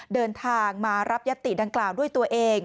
เดินทางมารับยัตติดังกล่าวด้วยตัวเอง